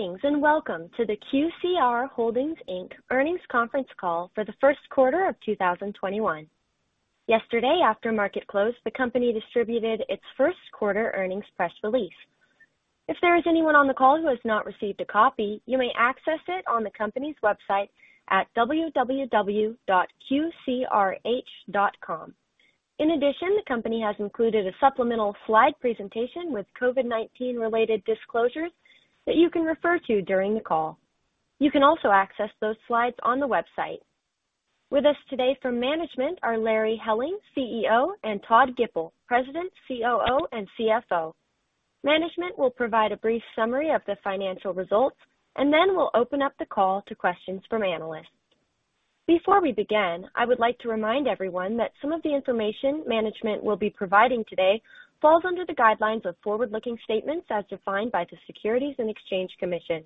Greetings, and welcome to the QCR Holdings, Inc. Earnings Conference Call for the First Quarter of 2021. Yesterday, after market close, the company distributed its first quarter earnings press release. If there is anyone on the call who has not received a copy, you may access it on the company's website at www.qcrh.com. The company has included a supplemental slide presentation with COVID-19 related disclosures that you can refer to during the call. You can also access those slides on the website. With us today from management are Larry Helling, CEO, and Todd Gipple, President, COO, and CFO. Management will provide a brief summary of the financial results and then will open up the call to questions from analysts. Before we begin, I would like to remind everyone that some of the information management will be providing today falls under the guidelines of forward-looking statements as defined by the Securities and Exchange Commission.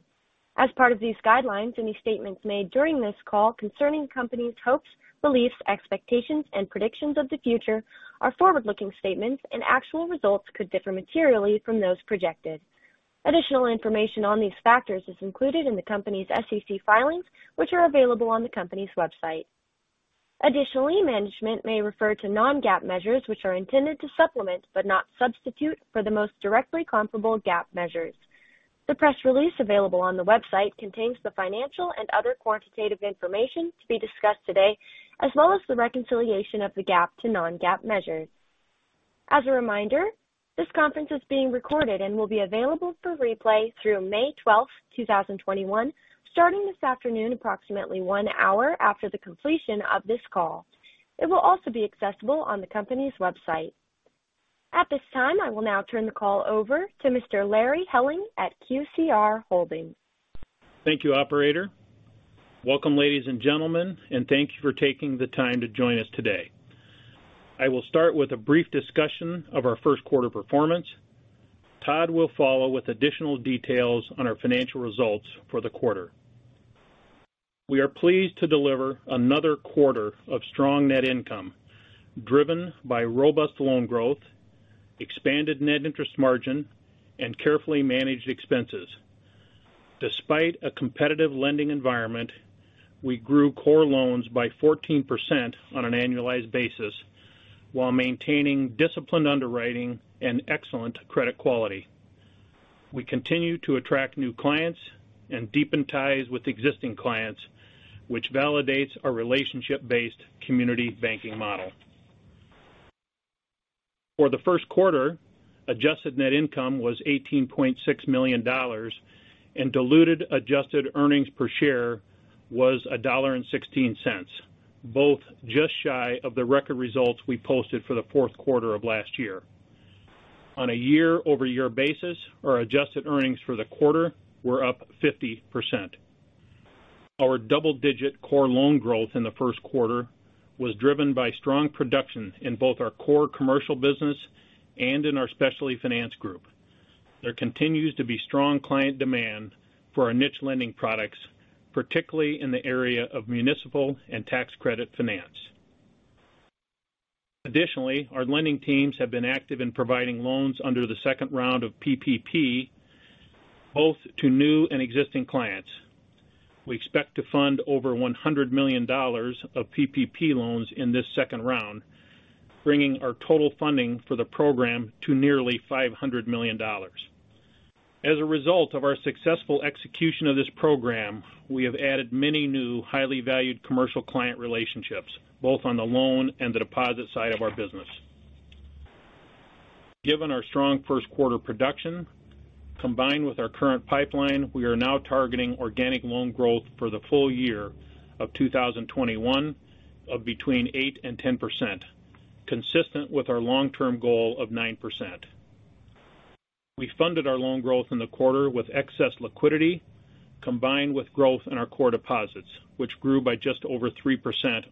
As part of these guidelines, any statements made during this call concerning the company's hopes, beliefs, expectations, and predictions of the future are forward-looking statements, and actual results could differ materially from those projected. Additional information on these factors is included in the company's SEC filings, which are available on the company's website. Additionally, management may refer to non-GAAP measures, which are intended to supplement, but not substitute for, the most directly comparable GAAP measures. The press release available on the website contains the financial and other quantitative information to be discussed today, as well as the reconciliation of the GAAP to non-GAAP measures. As a reminder, this conference is being recorded and will be available for replay through May 12th, 2021, starting this afternoon, approximately one hour after the completion of this call. It will also be accessible on the company's website. At this time, I will now turn the call over to Mr. Larry Helling at QCR Holdings. Thank you, operator. Welcome, ladies and gentlemen, and thank you for taking the time to join us today. I will start with a brief discussion of our first quarter performance. Todd will follow with additional details on our financial results for the quarter. We are pleased to deliver another quarter of strong net income, driven by robust loan growth, expanded net interest margin, and carefully managed expenses. Despite a competitive lending environment, we grew core loans by 14% on an annualized basis while maintaining disciplined underwriting and excellent credit quality. We continue to attract new clients and deepen ties with existing clients, which validates our relationship-based community banking model. For the first quarter, adjusted net income was $18.6 million, and diluted adjusted earnings per share was $1.16, both just shy of the record results we posted for the fourth quarter of last year. On a year-over-year basis, our adjusted earnings for the quarter were up 50%. Our double-digit core loan growth in the first quarter was driven by strong production in both our core commercial business and in our Specialty Finance Group. There continues to be strong client demand for our niche lending products, particularly in the area of municipal and tax credit finance. Additionally, our lending teams have been active in providing loans under the second round of PPP, both to new and existing clients. We expect to fund over $100 million of PPP loans in this second round, bringing our total funding for the program to nearly $500 million. As a result of our successful execution of this program, we have added many new highly valued commercial client relationships, both on the loan and the deposit side of our business. Given our strong first quarter production, combined with our current pipeline, we are now targeting organic loan growth for the full year of 2021 of between 8% and 10%, consistent with our long-term goal of 9%. We funded our loan growth in the quarter with excess liquidity, combined with growth in our core deposits, which grew by just over 3%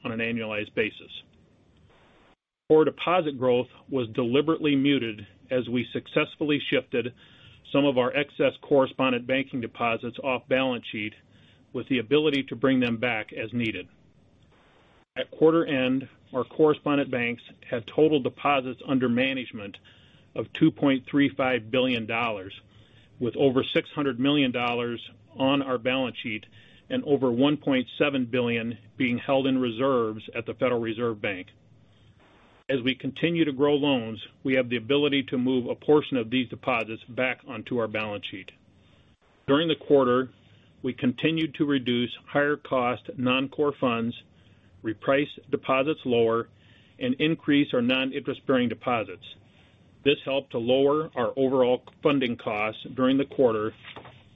on an annualized basis. Core deposit growth was deliberately muted as we successfully shifted some of our excess correspondent banking deposits off balance sheet with the ability to bring them back as needed. At quarter end, our correspondent banks had total deposits under management of $2.35 billion, with over $600 million on our balance sheet and over $1.7 billion being held in reserves at the Federal Reserve Bank. As we continue to grow loans, we have the ability to move a portion of these deposits back onto our balance sheet. During the quarter, we continued to reduce higher cost non-core funds, reprice deposits lower, and increase our non-interest-bearing deposits. This helped to lower our overall funding costs during the quarter,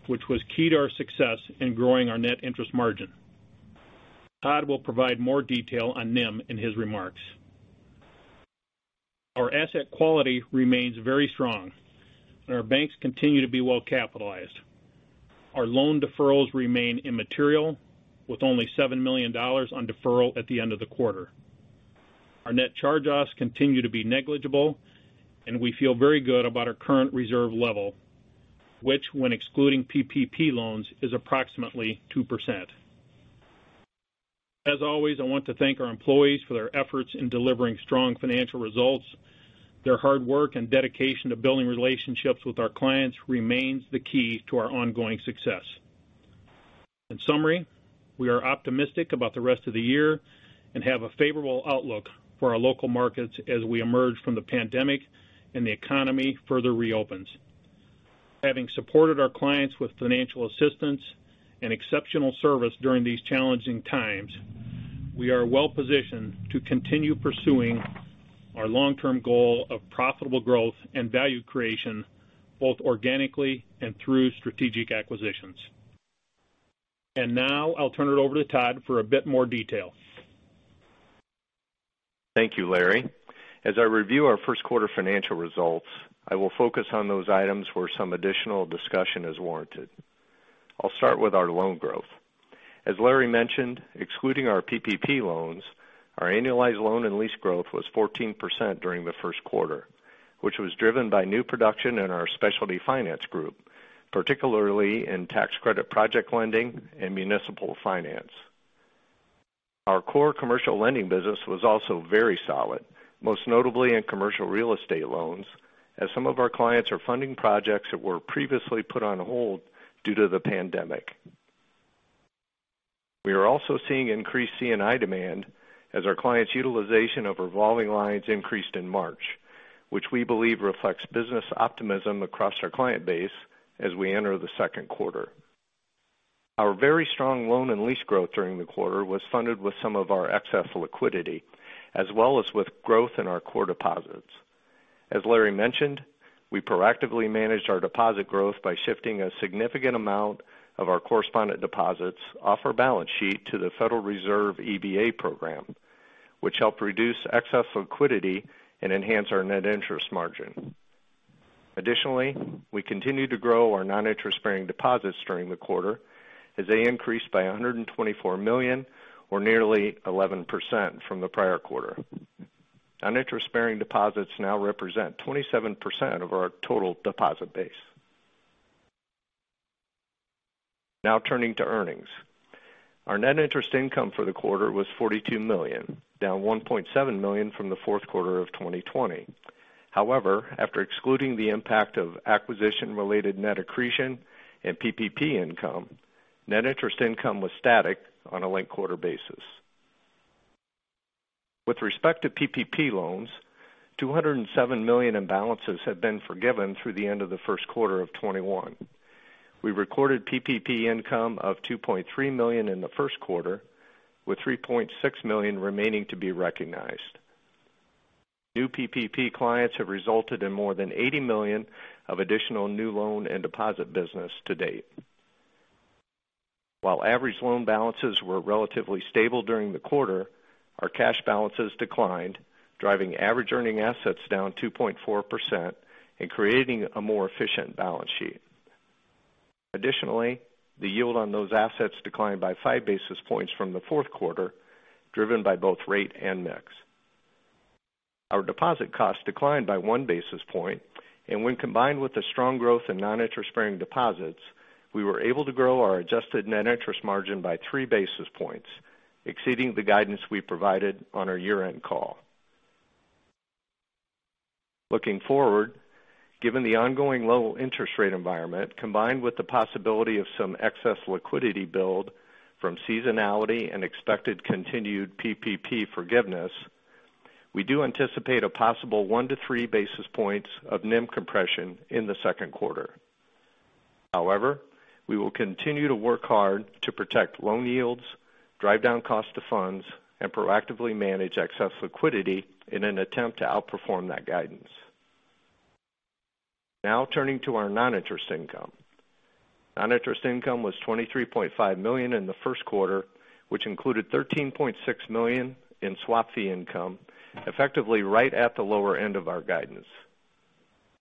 which was key to our success in growing our net interest margin. Todd will provide more detail on NIM in his remarks. Our asset quality remains very strong, and our banks continue to be well-capitalized. Our loan deferrals remain immaterial, with only $7 million on deferral at the end of the quarter. Our net charge-offs continue to be negligible, and we feel very good about our current reserve level, which when excluding PPP loans, is approximately 2%. As always, I want to thank our employees for their efforts in delivering strong financial results. Their hard work and dedication to building relationships with our clients remains the key to our ongoing success. In summary, we are optimistic about the rest of the year and have a favorable outlook for our local markets as we emerge from the pandemic and the economy further reopens. Having supported our clients with financial assistance and exceptional service during these challenging times, we are well-positioned to continue pursuing our long-term goal of profitable growth and value creation, both organically and through strategic acquisitions. Now I'll turn it over to Todd for a bit more detail. Thank you, Larry. As I review our first quarter financial results, I will focus on those items where some additional discussion is warranted. I'll start with our loan growth. As Larry mentioned, excluding our PPP loans, our annualized loan and lease growth was 14% during the first quarter, which was driven by new production in our Specialty Finance Group, particularly in tax credit project lending and municipal finance. Our core commercial lending business was also very solid, most notably in commercial real estate loans, as some of our clients are funding projects that were previously put on hold due to the pandemic. We are also seeing increased C&I demand as our clients' utilization of revolving lines increased in March, which we believe reflects business optimism across our client base as we enter the second quarter. Our very strong loan and lease growth during the quarter was funded with some of our excess liquidity, as well as with growth in our core deposits. As Larry mentioned, we proactively managed our deposit growth by shifting a significant amount of our correspondent deposits off our balance sheet to the Federal Reserve EBA program, which helped reduce excess liquidity and enhance our net interest margin. Additionally, we continued to grow our non-interest-bearing deposits during the quarter as they increased by $124 million or nearly 11% from the prior quarter. Non-interest-bearing deposits now represent 27% of our total deposit base. Now turning to earnings. Our net interest income for the quarter was $42 million, down $1.7 million from the fourth quarter of 2020. However, after excluding the impact of acquisition-related net accretion and PPP income, net interest income was static on a linked-quarter basis. With respect to PPP loans, $207 million in balances have been forgiven through the end of the first quarter of 2021. We recorded PPP income of $2.3 million in the first quarter, with $3.6 million remaining to be recognized. New PPP clients have resulted in more than $80 million of additional new loan and deposit business to date. While average loan balances were relatively stable during the quarter, our cash balances declined, driving average earning assets down 2.4% and creating a more efficient balance sheet. The yield on those assets declined by 5 basis points from the fourth quarter, driven by both rate and mix. Our deposit costs declined by 1 basis point, and when combined with the strong growth in non-interest-bearing deposits, we were able to grow our adjusted net interest margin by 3 basis points, exceeding the guidance we provided on our year-end call. Looking forward, given the ongoing low interest rate environment, combined with the possibility of some excess liquidity build from seasonality and expected continued PPP forgiveness, we do anticipate a possible 1 basis points-3 basis points of NIM compression in the second quarter. However, we will continue to work hard to protect loan yields, drive down cost of funds, and proactively manage excess liquidity in an attempt to outperform that guidance. Turning to our non-interest income. Non-interest income was $23.5 million in the first quarter, which included $13.6 million in swap fee income, effectively right at the lower end of our guidance.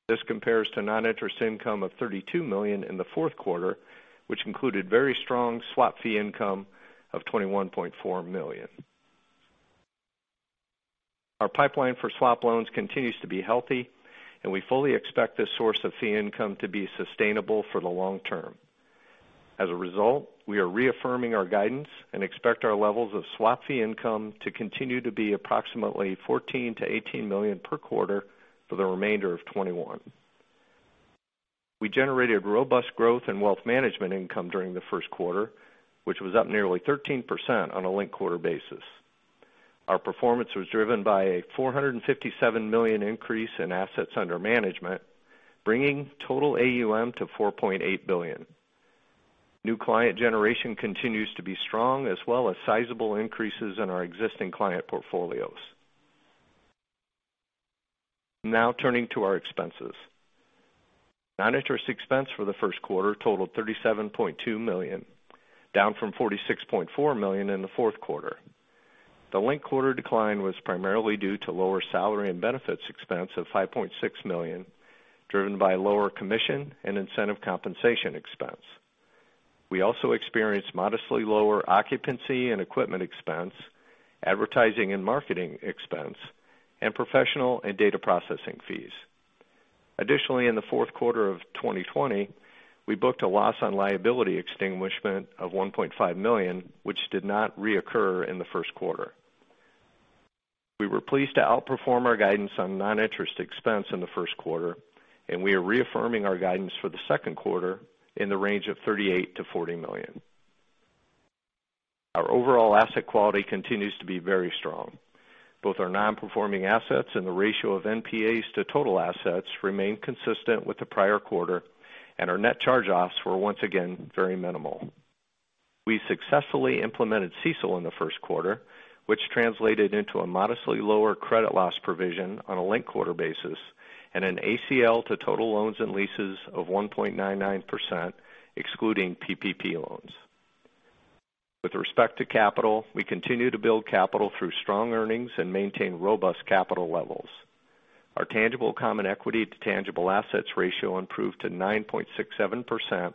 This compares to non-interest income of $32 million in the fourth quarter, which included very strong swap fee income of $21.4 million. Our pipeline for swap loans continues to be healthy, and we fully expect this source of fee income to be sustainable for the long term. As a result, we are reaffirming our guidance and expect our levels of swap fee income to continue to be approximately $14 million-$18 million per quarter for the remainder of 2021. We generated robust growth in wealth management income during the first quarter, which was up nearly 13% on a linked-quarter basis. Our performance was driven by a $457 million increase in assets under management, bringing total AUM to $4.8 billion. New client generation continues to be strong, as well as sizable increases in our existing client portfolios. Now turning to our expenses. Non-interest expense for the first quarter totaled $37.2 million, down from $46.4 million in the fourth quarter. The linked-quarter decline was primarily due to lower salary and benefits expense of $5.6 million, driven by lower commission and incentive compensation expense. We also experienced modestly lower occupancy and equipment expense, advertising and marketing expense, and professional and data processing fees. Additionally, in the fourth quarter of 2020, we booked a loss on liability extinguishment of $1.5 million, which did not reoccur in the first quarter. We were pleased to outperform our guidance on non-interest expense in the first quarter, and we are reaffirming our guidance for the second quarter in the range of $38 million-$40 million. Our overall asset quality continues to be very strong. Both our Non-Performing Assets and the ratio of NPAs to total assets remain consistent with the prior quarter, and our net charge-offs were once again very minimal. We successfully implemented CECL in the first quarter, which translated into a modestly lower credit loss provision on a linked-quarter basis and an ACL to total loans and leases of 1.99%, excluding PPP loans. With respect to capital, we continue to build capital through strong earnings and maintain robust capital levels. Our tangible common equity to tangible assets ratio improved to 9.67%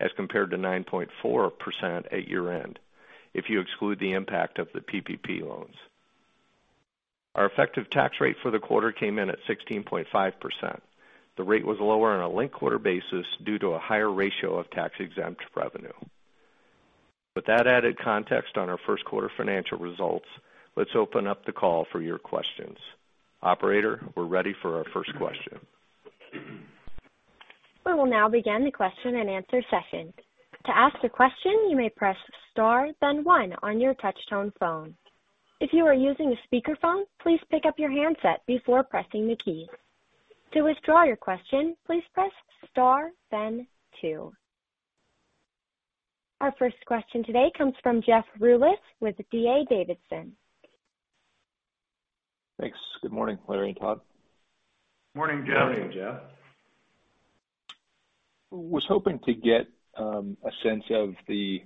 as compared to 9.4% at year-end if you exclude the impact of the PPP loans. Our effective tax rate for the quarter came in at 16.5%. The rate was lower on a linked-quarter basis due to a higher ratio of tax-exempt revenue. With that added context on our first quarter financial results, let's open up the call for your questions. Operator, we're ready for our first question. We'll now begin the question-and-answer session. To ask a question, you may press star then one on your touchtone phone. If you are using a speakerphone, please pick up your handset before pressing the key. To withdraw your question, please press star then two. Our first question today comes from Jeff Rulis with D.A. Davidson. Thanks. Good morning, Larry and Todd. Morning, Jeff. Morning, Jeff. was hoping to get a sense of the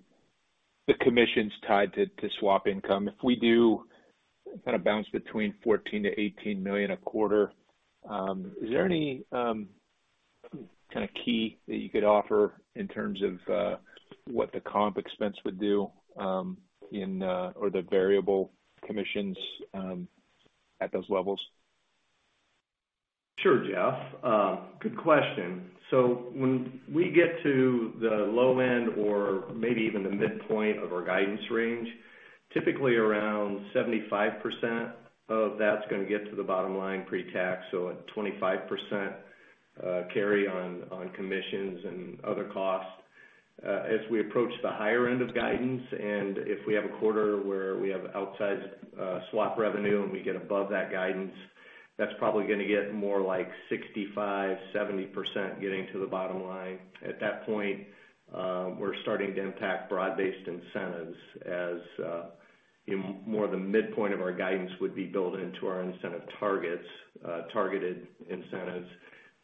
commissions tied to swap income. If we do kind of bounce between $14 million-$18 million a quarter, is there any kind of key that you could offer in terms of what the comp expense would do or the variable commissions at those levels? Sure, Jeff. Good question. When we get to the low end or maybe even the midpoint of our guidance range, typically around 75% of that's going to get to the bottom line pre-tax, so at 25% carry on commissions and other costs. As we approach the higher end of guidance, and if we have a quarter where we have outsized swap revenue, and we get above that guidance, that's probably going to get more like 65%-70% getting to the bottom line. At that point, we're starting to impact broad-based incentives as more the midpoint of our guidance would be built into our incentive targets, targeted incentives.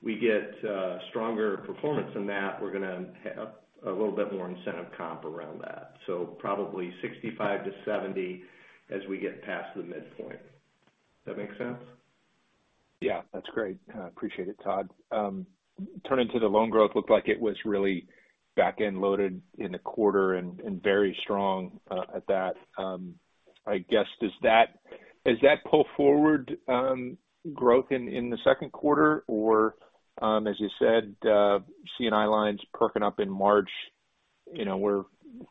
We get stronger performance than that, we're going to have a little bit more incentive comp around that. Probably 65%-70% as we get past the midpoint. Does that make sense? Yeah, that's great. I appreciate it, Todd. Turning to the loan growth, looked like it was really back-end loaded in the quarter and very strong at that. I guess, does that pull forward growth in the second quarter? Or, as you said, C&I lines perking up in March. We're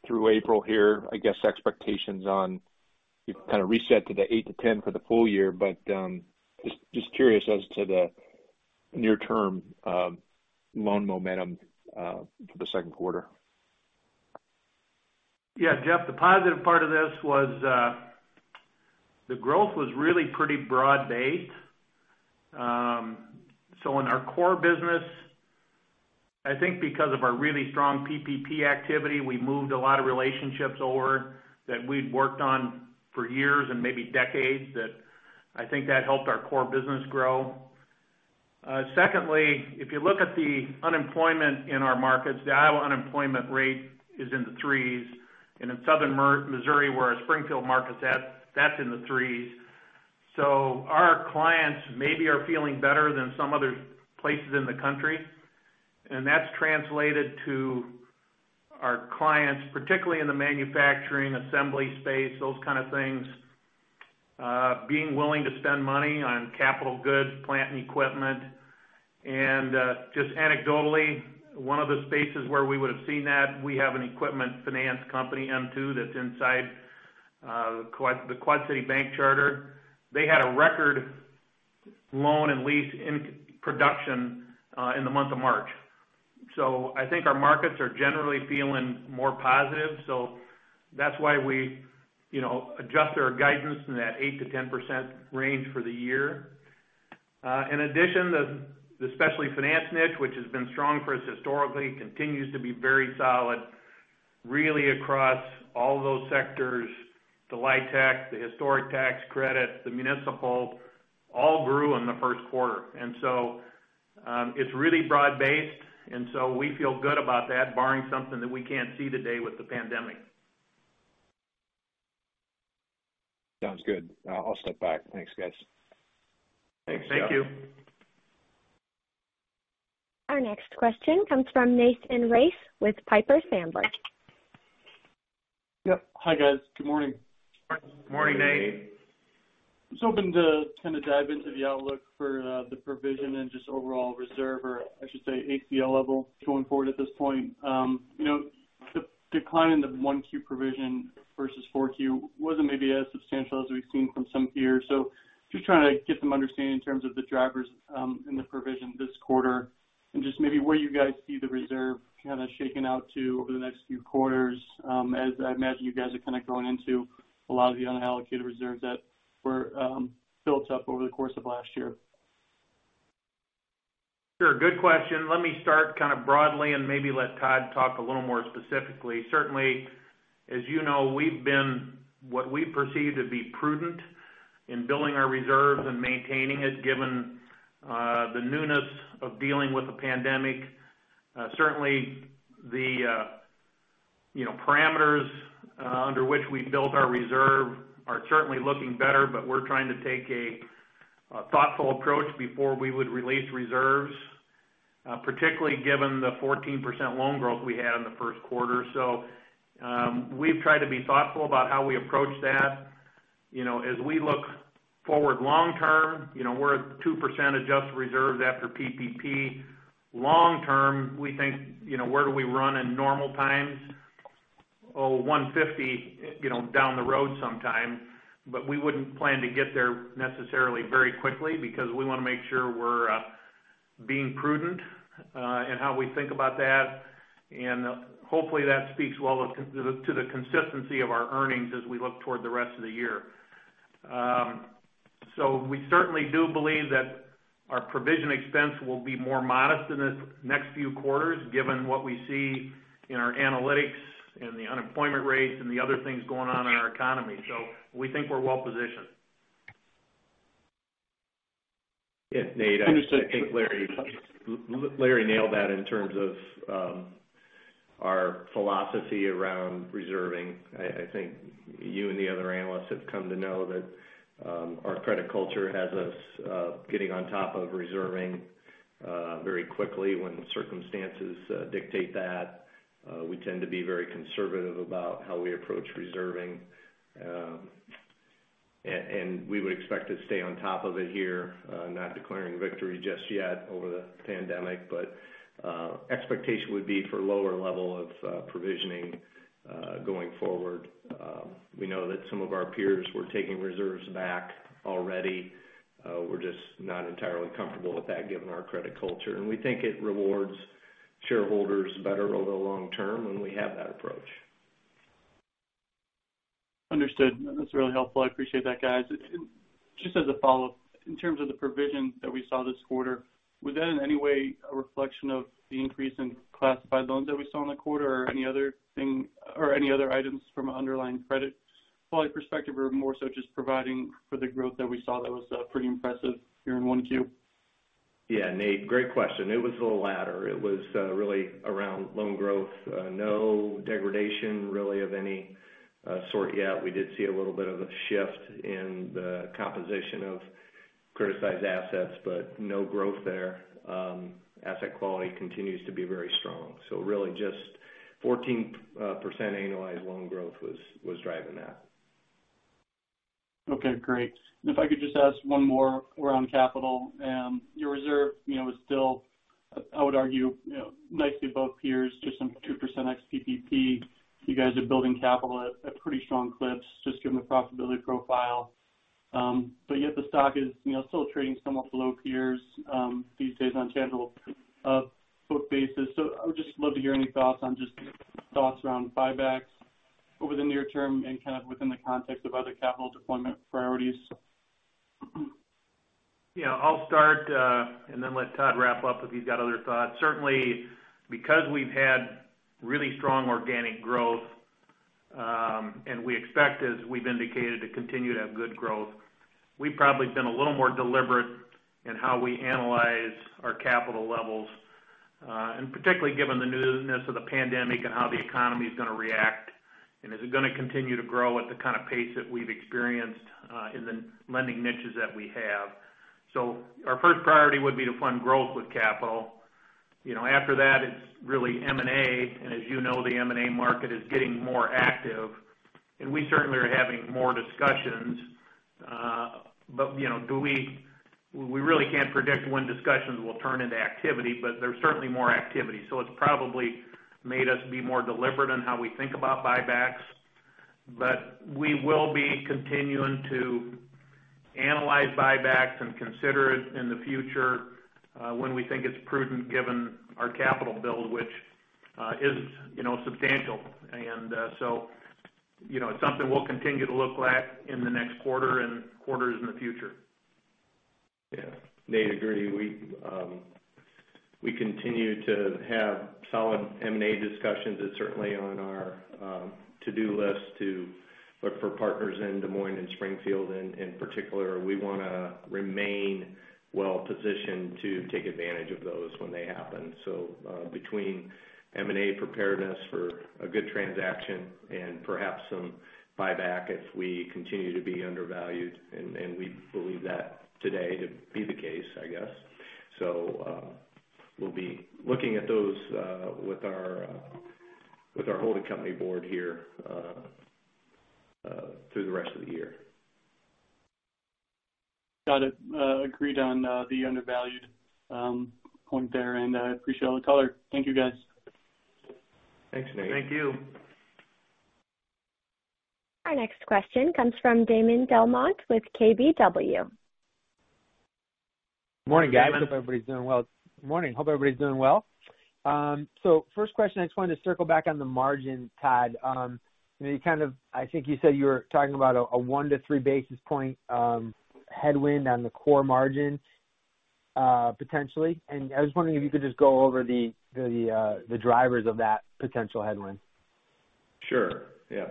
through April here. I guess expectations you've kind of reset to the 8%-10% for the full year, but just curious as to the near-term loan momentum for the second quarter. Yeah, Jeff, the positive part of this was the growth was really pretty broad-based. In our core business, I think because of our really strong PPP activity, we moved a lot of relationships over that we'd worked on for years and maybe decades that I think that helped our core business grow. Secondly, if you look at the unemployment in our markets, the Iowa unemployment rate is in the 3s. In southern Missouri, where our Springfield market's at, that's in the 3s. Our clients maybe are feeling better than some other places in the country, and that's translated to our clients, particularly in the manufacturing assembly space, those kind of things, being willing to spend money on capital goods, plant and equipment. Just anecdotally, one of the spaces where we would've seen that, we have an equipment finance company, m2, that's inside the Quad City Bank charter. They had a record loan and lease in production in the month of March. I think our markets are generally feeling more positive, so that's why we adjust our guidance in that 8%-10% range for the year. In addition, the specialty finance niche, which has been strong for us historically, continues to be very solid really across all those sectors. The LIHTC, the historic tax credit, the municipal, all grew in the first quarter. It's really broad based, and so we feel good about that barring something that we can't see today with the pandemic. Sounds good. I'll step back. Thanks, guys. Thanks, Jeff. Thank you. Our next question comes from Nathan Race with Piper Sandler. Yep. Hi, guys. Good morning. Morning, Nate. Just hoping to dive into the outlook for the provision and just overall reserve, or I should say ACL level going forward at this point. The decline in the 1Q provision versus 4Q wasn't maybe as substantial as we've seen from some peers. Just trying to get some understanding in terms of the drivers in the provision this quarter, and just maybe where you guys see the reserve kind of shaking out to over the next few quarters, as I imagine you guys are kind of going into a lot of the unallocated reserves that were built up over the course of last year. Sure. Good question. Let me start kind of broadly and maybe let Todd talk a little more specifically. Certainly, as you know, what we perceive to be prudent in building our reserves and maintaining has given the newness of dealing with the pandemic. Certainly the parameters under which we've built our reserve are certainly looking better, but we're trying to take a thoughtful approach before we would release reserves, particularly given the 14% loan growth we had in the first quarter. We've tried to be thoughtful about how we approach that. As we look forward long term, we're at 2% adjusted reserves after PPP. Long term, we think, where do we run in normal times? Oh, 150 down the road sometime. We wouldn't plan to get there necessarily very quickly because we want to make sure we're being prudent in how we think about that. Hopefully, that speaks well to the consistency of our earnings as we look toward the rest of the year. We certainly do believe that our provision expense will be more modest in the next few quarters, given what we see in our analytics and the unemployment rates and the other things going on in our economy. We think we're well-positioned. Yeah, Nate, I think Larry nailed that in terms of our philosophy around reserving. I think you and the other analysts have come to know that our credit culture has us getting on top of reserving very quickly when circumstances dictate that. We tend to be very conservative about how we approach reserving. We would expect to stay on top of it here, not declaring victory just yet over the pandemic. Expectation would be for lower level of provisioning going forward. We know that some of our peers were taking reserves back already. We're just not entirely comfortable with that given our credit culture, and we think it rewards shareholders better over the long term when we have that approach. Understood. That's really helpful. I appreciate that guys. Just as a follow-up, in terms of the provision that we saw this quarter, was that in any way a reflection of the increase in classified loans that we saw in the quarter or any other items from an underlying credit quality perspective or more so just providing for the growth that we saw that was pretty impressive here in 1Q? Yeah, Nate, great question. It was the latter. It was really around loan growth. No degradation really of any sort yet. We did see a little bit of a shift in the composition of criticized assets. No growth there. Asset quality continues to be very strong. Really just 14% annualized loan growth was driving that. Okay, great. If I could just ask one more around capital. Your reserve is still, I would argue, nicely above peers, just some 2% ex-PPP. You guys are building capital at pretty strong clips, just given the profitability profile. Yet the stock is still trading somewhat below peers these days on tangible book basis. I would just love to hear any thoughts on just thoughts around buybacks over the near term and kind of within the context of other capital deployment priorities. Yeah, I'll start and then let Todd wrap up if he's got other thoughts. Because we've had really strong organic growth, and we expect as we've indicated, to continue to have good growth, we've probably been a little more deliberate in how we analyze our capital levels, and particularly given the newness of the pandemic and how the economy's going to react. Is it going to continue to grow at the kind of pace that we've experienced in the lending niches that we have? Our first priority would be to fund growth with capital. After that, it's really M&A, and as you know, the M&A market is getting more active. We certainly are having more discussions. We really can't predict when discussions will turn into activity, but there's certainly more activity. It's probably made us be more deliberate on how we think about buybacks. We will be continuing to analyze buybacks and consider it in the future when we think it's prudent given our capital build, which is substantial. It's something we'll continue to look at in the next quarter and quarters in the future. Yeah. Nate, agree. We continue to have solid M&A discussions. It's certainly on our to-do list to look for partners in Des Moines and Springfield. In particular, we want to remain well-positioned to take advantage of those when they happen. Between M&A preparedness for a good transaction and perhaps some buyback if we continue to be undervalued, and we believe that today to be the case, I guess. We'll be looking at those with our holding company board here through the rest of the year. Got it. Agreed on the undervalued point there, and I appreciate all the color. Thank you, guys. Thanks, Nate. Thank you. Our next question comes from Damon DelMonte with KBW. Morning, guys. Hope everybody's doing well. Morning. Hope everybody's doing well. First question, I just wanted to circle back on the margin, Todd. I think you said you were talking about a 1 basis points-3 basis point headwind on the core margin, potentially. I was wondering if you could just go over the drivers of that potential headwind. Sure. Yeah.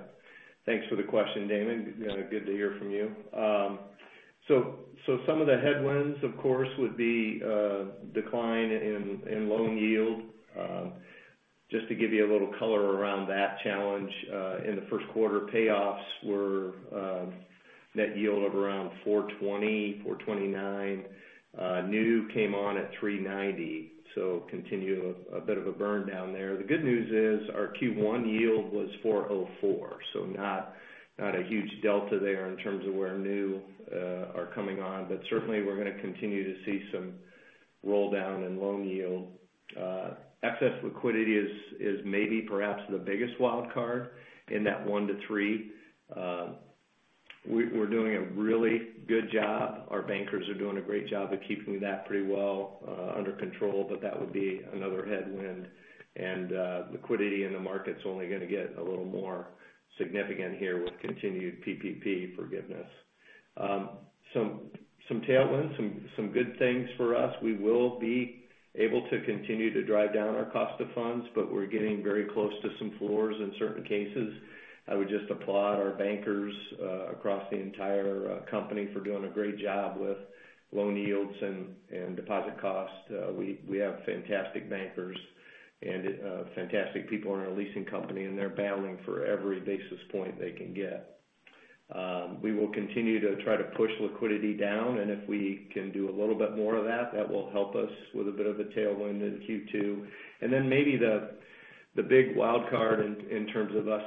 Thanks for the question, Damon. Good to hear from you. Some of the headwinds, of course, would be a decline in loan yield. Just to give you a little color around that challenge, in the first quarter, payoffs were net yield of around 420, 429. New came on at 390, continue a bit of a burn down there. The good news is our Q1 yield was 404, not a huge delta there in terms of where new are coming on. Certainly, we're going to continue to see some roll-down in loan yield. Excess liquidity is maybe perhaps the biggest wildcard in that one to three. We're doing a really good job. Our bankers are doing a great job of keeping that pretty well under control, but that would be another headwind, and liquidity in the market's only going to get a little more significant here with continued PPP forgiveness. Some tailwinds, some good things for us. We will be able to continue to drive down our cost of funds, but we're getting very close to some floors in certain cases. I would just applaud our bankers across the entire company for doing a great job with loan yields and deposit costs. We have fantastic bankers and fantastic people in our leasing company, and they're battling for every basis point they can get. We will continue to try to push liquidity down, and if we can do a little bit more of that will help us with a bit of a tailwind in Q2. Maybe the big wildcard in terms of us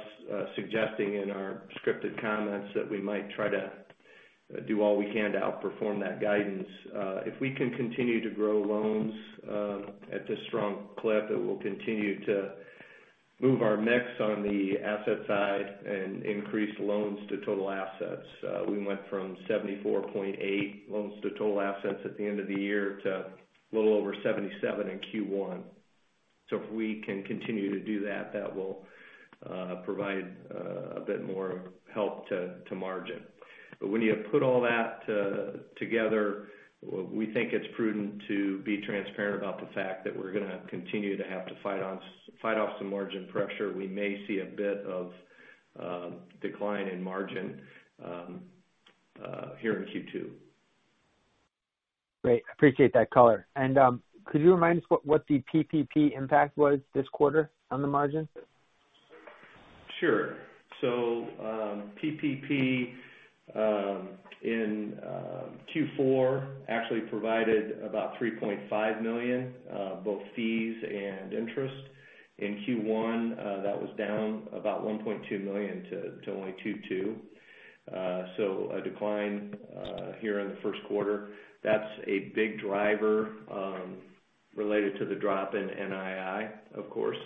suggesting in our scripted comments that we might try to do all we can to outperform that guidance. If we can continue to grow loans at this strong clip, it will continue to move our mix on the asset side and increase loans to total assets. We went from 74.8 loans to total assets at the end of the year to a little over 77 in Q1. If we can continue to do that will provide a bit more help to margin. When you put all that together, we think it's prudent to be transparent about the fact that we're going to continue to have to fight off some margin pressure. We may see a bit of decline in margin here in Q2. Great. Appreciate that color. Could you remind us what the PPP impact was this quarter on the margin? Sure. PPP in Q4 actually provided about $3.5 million, both fees and interest. In Q1, that was down about $1.2 million to only $2.2 million. A decline here in the first quarter. That's a big driver related to the drop in NII, of course,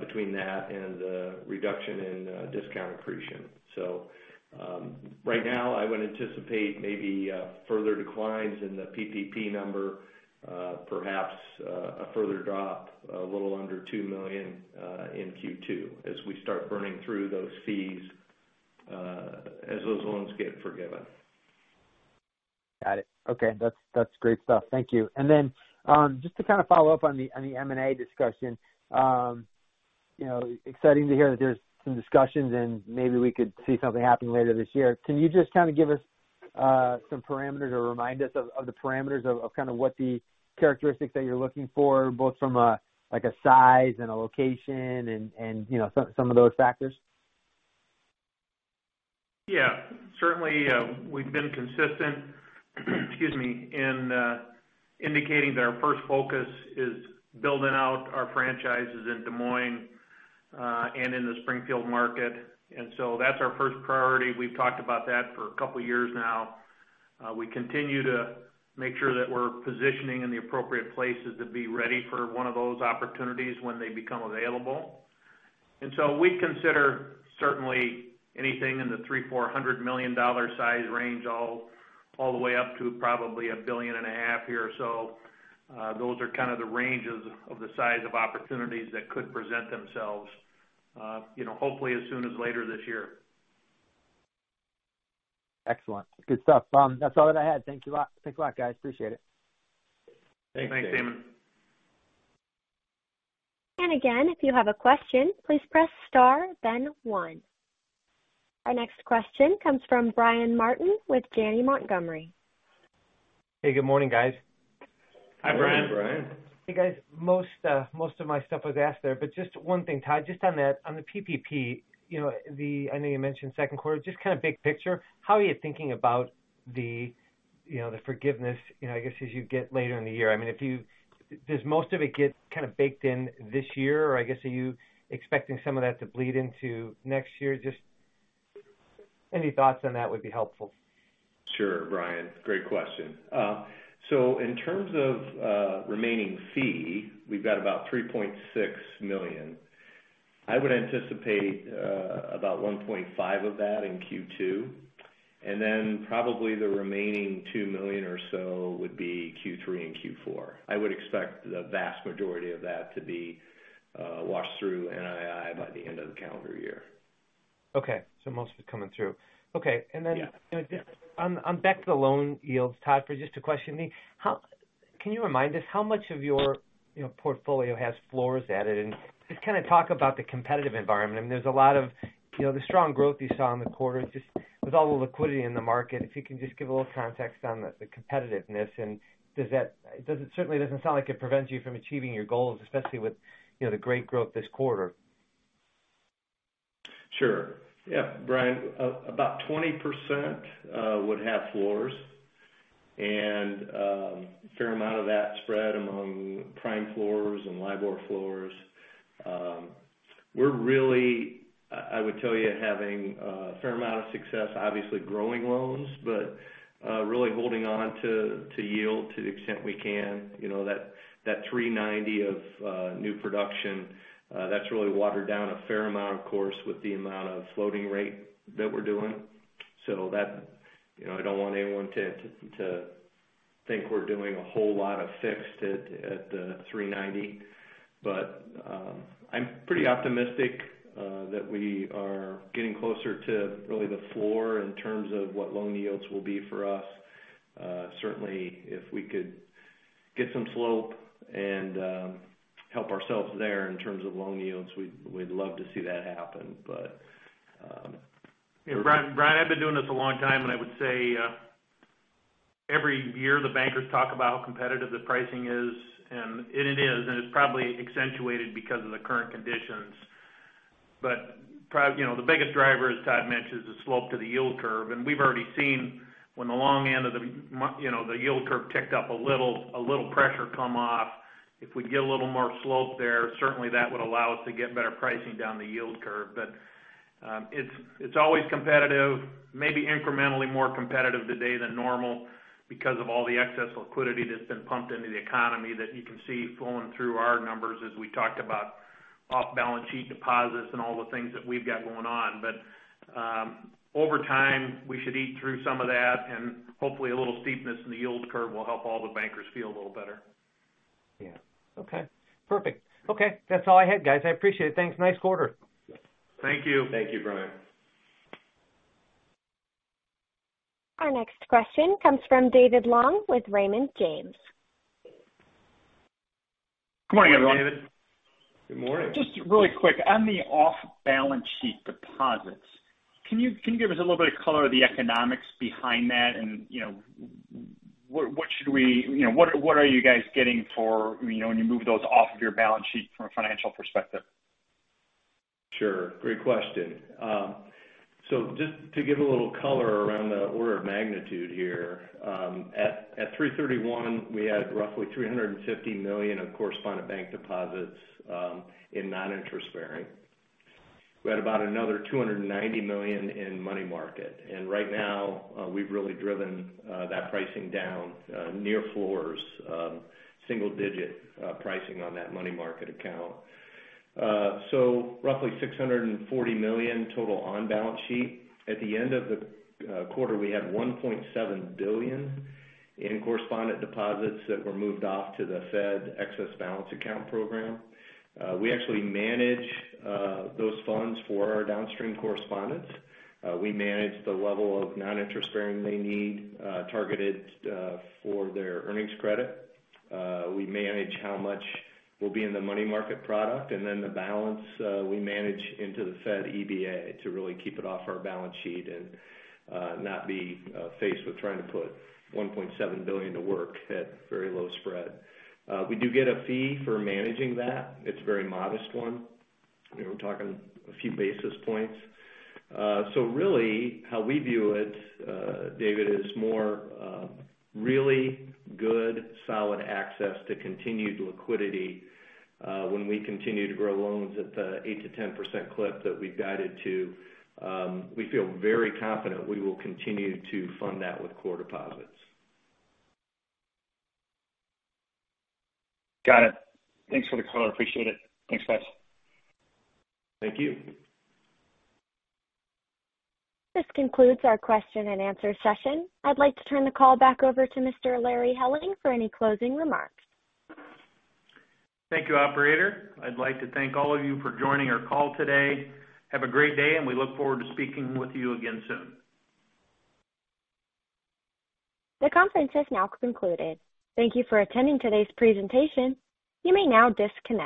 between that and the reduction in discount accretion. Right now, I would anticipate maybe further declines in the PPP number, perhaps a further drop, a little under $2 million in Q2 as we start burning through those fees as those loans get forgiven. Got it. Okay. That's great stuff. Thank you. Just to kind of follow up on the M&A discussion. Exciting to hear that there's some discussions and maybe we could see something happening later this year. Can you just kind of give us some parameters or remind us of the parameters of kind of what the characteristics that you're looking for, both from a size and a location and some of those factors? Yeah. Certainly, we've been consistent in indicating that our first focus is building out our franchises in Des Moines and in the Springfield market. That's our first priority. We've talked about that for a couple of years now. We continue to make sure that we're positioning in the appropriate places to be ready for one of those opportunities when they become available. We consider certainly anything in the $300 million, $400 million size range, all the way up to probably $1.5 billion here or so. Those are kind of the ranges of the size of opportunities that could present themselves, hopefully as soon as later this year. Excellent. Good stuff. That's all that I had. Thanks a lot, guys. Appreciate it. Thanks, Damon. Thanks, Damon. Again, if you have a question, please press star then one. Our next question comes from Brian Martin with Janney Montgomery. Hey, good morning, guys. Hi, Brian. Morning, Brian. Hey, guys. Most of my stuff was asked there, but just one thing, Todd, just on the PPP. I know you mentioned second quarter. Just kind of big picture, how are you thinking about the forgiveness, I guess, as you get later in the year. Does most of it get baked in this year, or I guess, are you expecting some of that to bleed into next year? Just any thoughts on that would be helpful. Sure, Brian. Great question. In terms of remaining fee, we've got about $3.6 million. I would anticipate about $1.5 of that in Q2, probably the remaining $2 million or so would be Q3 and Q4. I would expect the vast majority of that to be washed through NII by the end of the calendar year. Okay. Most of it coming through. Okay. Yeah. Back to the loan yields, Todd, for just a question. Can you remind us how much of your portfolio has floors added? Just kind of talk about the competitive environment. There's a lot of the strong growth you saw in the quarter, just with all the liquidity in the market. If you can just give a little context on the competitiveness and it certainly doesn't sound like it prevents you from achieving your goals, especially with the great growth this quarter. Sure. Yeah, Brian, about 20% would have floors and a fair amount of that spread among prime floors and LIBOR floors. We're really, I would tell you, having a fair amount of success, obviously growing loans, but really holding on to yield to the extent we can. That 390 of new production, that's really watered down a fair amount, of course, with the amount of floating rate that we're doing. I don't want anyone to think we're doing a whole lot of fixed at the 390. I'm pretty optimistic that we are getting closer to really the floor in terms of what loan yields will be for us. Certainly, if we could get some slope and help ourselves there in terms of loan yields, we'd love to see that happen. Brian, I've been doing this a long time, I would say every year the bankers talk about how competitive the pricing is, it is, it's probably accentuated because of the current conditions. The biggest driver, as Todd mentioned, is the slope to the yield curve. We've already seen when the long end of the yield curve ticked up a little pressure come off. If we get a little more slope there, certainly that would allow us to get better pricing down the yield curve. It's always competitive, maybe incrementally more competitive today than normal because of all the excess liquidity that's been pumped into the economy that you can see flowing through our numbers as we talked about off-balance sheet deposits and all the things that we've got going on. Over time, we should eat through some of that and hopefully a little steepness in the yield curve will help all the bankers feel a little better. Yeah. Okay, perfect. Okay. That's all I had, guys. I appreciate it. Thanks. Nice quarter. Thank you. Thank you, Brian. Our next question comes from David Long with Raymond James. Good morning, everyone. Good morning. Just really quick, on the off-balance sheet deposits, can you give us a little bit of color of the economics behind that and what are you guys getting for when you move those off of your balance sheet from a financial perspective? Sure, great question. Just to give a little color around the order of magnitude here. At March 31, we had roughly $350 million of correspondent bank deposits in non-interest-bearing. We had about another $290 million in money market. Right now, we've really driven that pricing down near floors, single-digit pricing on that money market account. Roughly $640 million total on balance sheet. At the end of the quarter, we had $1.7 billion in correspondent deposits that were moved off to the Federal Reserve Bank Excess Balance Account program. We actually manage those funds for our downstream correspondents. We manage the level of non-interest-bearing they need targeted for their earnings credit. We manage how much will be in the money market product, and then the balance we manage into the Fed EBA to really keep it off our balance sheet and not be faced with trying to put $1.7 billion to work at very low spread. We do get a fee for managing that. It's a very modest one. We're talking a few basis points. Really how we view it, David, is more really good, solid access to continued liquidity. When we continue to grow loans at the 8%-10% clip that we've guided to, we feel very confident we will continue to fund that with core deposits. Got it. Thanks for the color. I appreciate it. Thanks, guys. Thank you. This concludes our question and answer session. I'd like to turn the call back over to Mr. Larry Helling for any closing remarks. Thank you, operator. I'd like to thank all of you for joining our call today. Have a great day, and we look forward to speaking with you again soon. The conference has now concluded. Thank you for attending today's presentation. You may now disconnect.